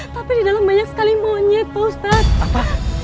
tapi di dalam banyak sekali monyet pak ustadz